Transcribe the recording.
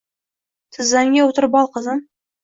Tizzamga o‘tirib ol, qizim.